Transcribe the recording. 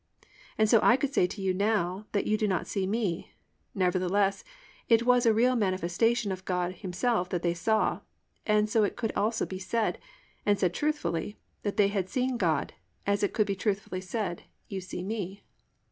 "+ And so I could say to you now that you do not see me. Nevertheless, it was a real manifestation of God Himself that they saw, and so it could also be said, and said truthfully, that they had seen God, as it could be truthfully said, "you see me."